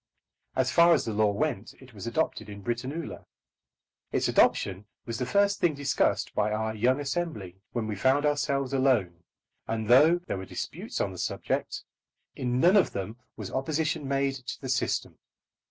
As far as the law went it was adopted in Britannula. Its adoption was the first thing discussed by our young Assembly, when we found ourselves alone; and though there were disputes on the subject, in none of them was opposition made to the system.